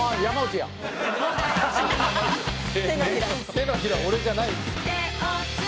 「手のひら俺じゃないですよ」